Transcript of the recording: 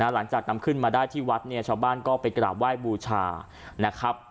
หลังจากนำขึ้นมาได้ที่วัดเนี่ยชาวบ้านก็ไปกราบไหว้บูชานะครับ